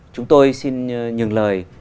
chúng tôi xin nhường lời